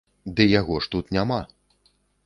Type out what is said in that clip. Ды яго ж тут няма.